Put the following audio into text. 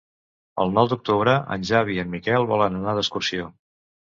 El nou d'octubre en Xavi i en Miquel volen anar d'excursió.